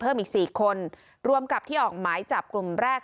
เพิ่มอีก๔คนรวมกับที่ออกหมายจับกลุ่มแรก